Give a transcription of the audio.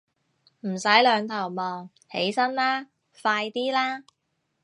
唔使兩頭望，起身啦，快啲啦